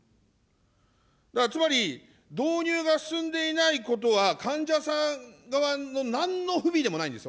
つまり、導入が進んでいないことは、患者さん側のなんの不備でもないんですよ。